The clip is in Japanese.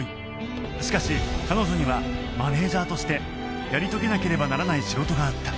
しかし彼女にはマネージャーとしてやり遂げなければならない仕事があった